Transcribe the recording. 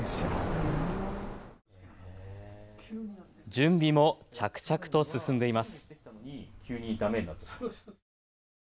準備も着々と進んでいます。